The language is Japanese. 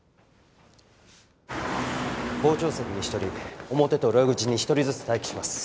傍聴席に１人表と裏口に１人ずつ待機します。